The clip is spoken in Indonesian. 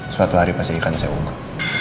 suatu hari pasti akan saya ungkap